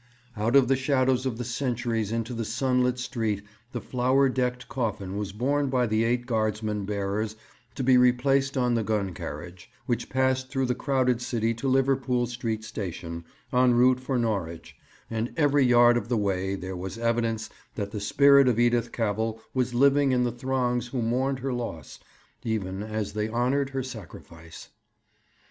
Out of the shadows of the centuries into the sunlit street the flower decked coffin was borne by the eight Guardsmen bearers to be replaced on the gun carriage, which passed through the crowded City to Liverpool Street Station, en route for Norwich, and every yard of the way there was evidence that the spirit of Edith Cavell was living in the throngs who mourned her loss, even as they honoured her sacrifice.